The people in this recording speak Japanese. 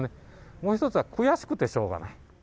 もう一つは、悔しくてしょうがない。